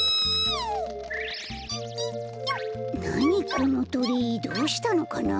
このとりどうしたのかな？